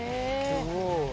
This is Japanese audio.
すごい。